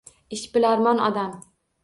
Ishbilarmon odam.